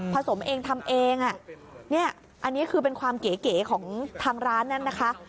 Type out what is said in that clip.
สมเองทำเองอ่ะเนี่ยอันนี้คือเป็นความเก๋ของทางร้านนั้นนะคะ